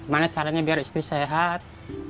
mana caranya biar istri sehat